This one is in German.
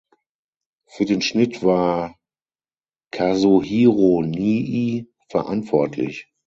Für den Schnitt war Kazuhiro Nii verantwortlich.